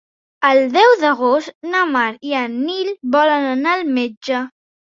El deu d'agost na Mar i en Nil volen anar al metge.